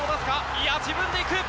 いや自分でいく！